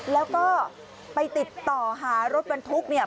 แล้วก็ไปติดต่อหารถบันทุกข์